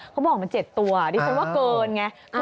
เขาบอกมัน๗ตัวดิฉันว่าเกินไง